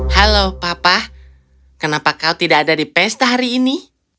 halo papa kenapa kau tidak ada di pesta hari ini